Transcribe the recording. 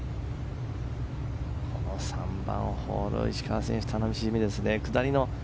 この３番ホール石川選手は楽しみですね。